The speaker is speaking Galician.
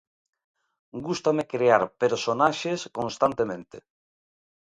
Gústame crear personaxes constantemente.